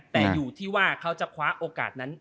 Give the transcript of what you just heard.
แต่อยู่ที่ว่าเขาจะคว้าโอกาสนั้น